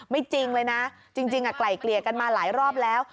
จริงเลยนะจริงไกล่เกลี่ยกันมาหลายรอบแล้ว